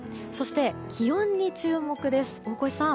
そして、気温に注目です。